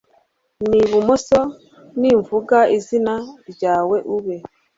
n'ibumoso, nimvuga izina ryawe ube